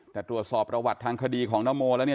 แต่ตรวจสอบประวัติทางคดีของนโมแล้วเนี่ย